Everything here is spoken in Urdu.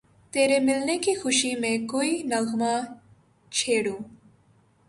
تیرے ملنے کی خوشی میں کوئی نغمہ چھیڑوں